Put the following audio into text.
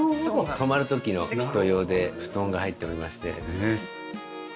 泊まる時の人用で布団が入っておりまして。